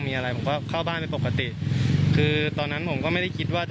มีอะไรอยากจะบอกด้วยบางปูกรณีไหมครับที่เขาสุดเคลียร์